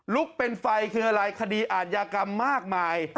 ลุกเป็นไฟเป็นอะไรฯฯคดีอาญากรรมมากมาย